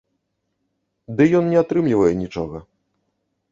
Ды ён не атрымлівае нічога.